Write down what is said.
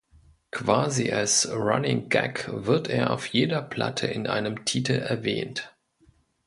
Quasi als Running Gag wird er auf jeder Platte in einem Titel erwähnt.